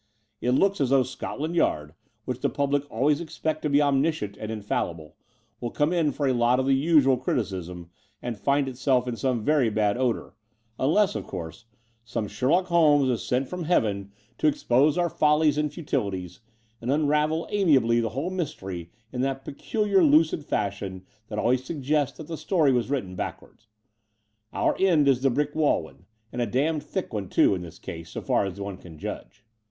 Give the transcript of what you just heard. It looks as though Scotland Yard, which the public always expect to be omniscient and in fallible, will come in for a lot of the usual criticism and find itself in very bad odour — ^unless, of course, some Sherlock Holmes is sent from Heaven to The Brighton Road 77 expose our follies and futilities, and unravel amiably the whole mystery in that peculiar lucid fashion that always suggests that the story was written backwards. Our end is the brick wall one, and a damned thick one, too, in this case, so far as one can judge."